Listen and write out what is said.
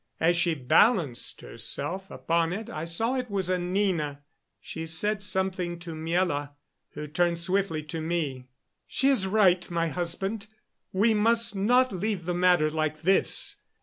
As she balanced herself upon it I saw it was Anina. She said something to Miela, who turned swiftly to me. "She is right, my husband. We must not leave the matter like this.